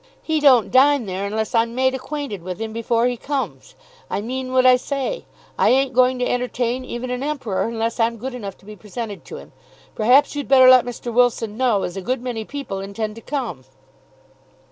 He don't dine there unless I'm made acquainted with him before he comes. I mean what I say. I ain't going to entertain even an Emperor unless I'm good enough to be presented to him. Perhaps you'd better let Mr. Wilson know, as a good many people intend to come."